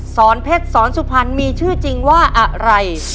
สอนเพชรสอนสุพรรณมีชื่อจริงว่าอะไร